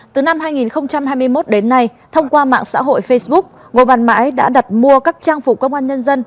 từ năm hai nghìn hai mươi một đến nay thông qua mạng xã hội facebook ngô văn mãi đã đặt mua các trang phục công an nhân dân